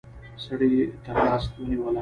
سړي تر لاس ونيوله.